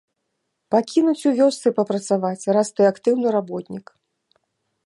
Пакінуць у вёсцы папрацаваць, раз ты актыўны работнік.